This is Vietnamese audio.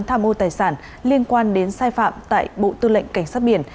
tham ô tài sản liên quan đến sai phạm tại bộ tư lệnh cảnh sát biển